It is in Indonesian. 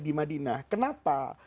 di madinah kenapa